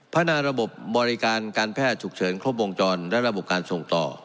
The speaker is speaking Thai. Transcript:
นาระบบบบริการการแพทย์ฉุกเฉินครบวงจรและระบบการส่งต่อ